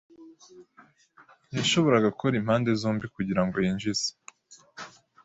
Ntiyashoboraga gukora impande zombi kugirango yinjize.